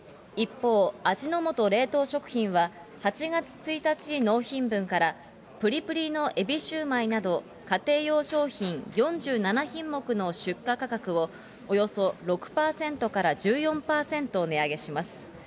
一方、味の素冷凍食品は８月１日納品分から、プリプリのエビシューマイなど、家庭用商品４７品目の出荷価格をおよそ６％から１４％値上げします。